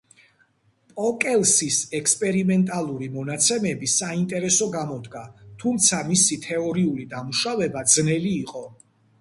პოკელსის ექსპერიმენტალური მონაცემები საინტერესო გამოდგა, თუმცა მისი თეორიული დამუშავება ძნელი იყო.